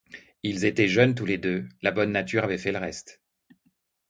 Ils étaient jeunes tous les deux, la bonne nature avait fait le reste.